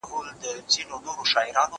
موړ د وږي په حال څه خبر دئ؟